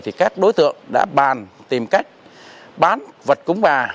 thì các đối tượng đã bàn tìm cách bán vật cúng bà